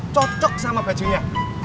cocok sama bajunya